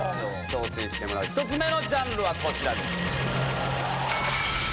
挑戦してもらう１つ目のジャンルはこちらです。